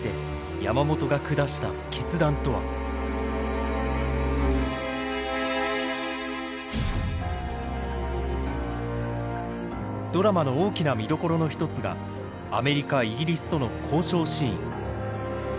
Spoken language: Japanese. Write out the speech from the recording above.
果たしてドラマの大きな見どころの一つがアメリカイギリスとの交渉シーン。